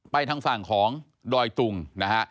ไปทางฝั่งของดอยตุ่งนะครับ